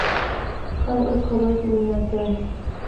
خر اس خبر کی بنیاد کیا ہے؟